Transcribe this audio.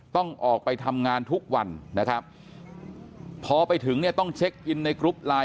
ต้องออกไปทำงานทุกวันนะครับพอไปถึงเนี่ยต้องเช็คอินในกรุ๊ปไลน